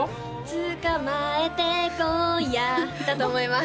捕まえて今夜だと思います